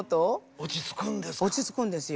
落ち着くんですよ。